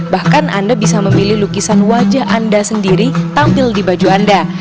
bahkan anda bisa memilih lukisan wajah anda sendiri tampil di baju anda